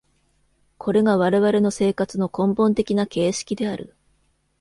これが我々の生活の根本的な形式である。